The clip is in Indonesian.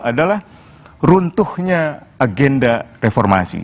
adalah runtuhnya agenda reformasi